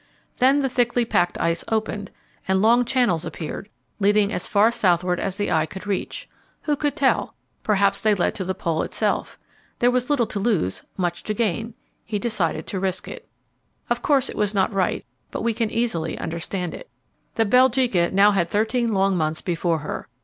Then the thickly packed ice opened, and long channels appeared, leading as far southward as the eye could reach. Who could tell? Perhaps they led to the Pole itself. There was little to lose, much to gain; he decided to risk it. Of course, it was not right, but we can easily understand it. The Belgica now had thirteen long months before her.